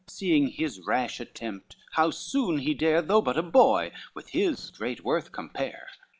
Seeing his rash attempt, how soon he dare, Though but a boy, with his great worth compare.